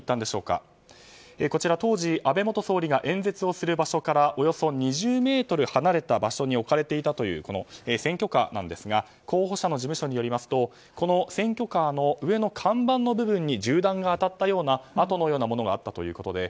当時、安倍元総理が演説をする場所から２０ｍ離れた場所に置かれていたという選挙カーなんですが候補者の事務所によりますとこの選挙カーの上の看板の部分に銃弾が当たったような跡のようなものがあったということです。